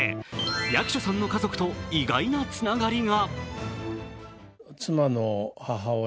役所さんの家族と意外なつながりが。